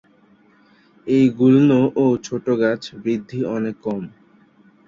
এই গুল্ম ও ছোট গাছ বৃদ্ধি অনেক কম।